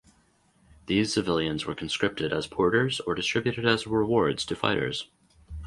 These civilians were conscripted as porters or distributed as rewards to fighters.